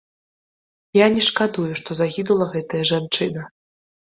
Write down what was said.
Я не шкадую, што загінула гэтая жанчына.